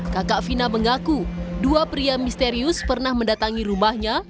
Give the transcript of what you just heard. kakak vina mengaku dua pria misterius pernah mendatangi rumahnya